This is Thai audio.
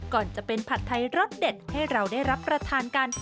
ก่อนจะเป็นผัดไทยรสเด็ดให้เราได้รับประทานกัน